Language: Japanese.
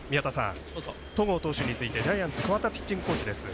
戸郷投手についてジャイアンツ桑田ピッチングコーチです。